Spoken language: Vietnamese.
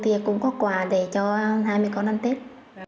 thì cũng có quà để cho hai mẹ con ăn tết